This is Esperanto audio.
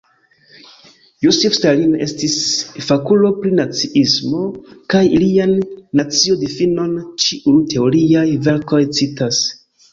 Josif Stalin estis fakulo pri naciismo kaj lian nacio-difinon ĉiuj teoriaj verkoj citas.